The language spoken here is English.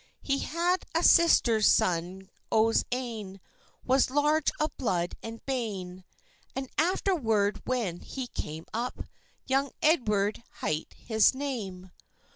He had a sister's son o's ain, Was large of blood and bane; And afterward, when he came up, Young Edward hight his name.